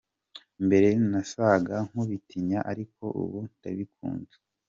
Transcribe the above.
Mbere nasaga nk’ubitinya ariko ubu ndabikunda.